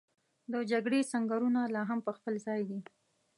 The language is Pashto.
د جګړې سنګرونه لا هم په خپل ځای دي.